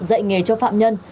dạy nghề cho phạm nhân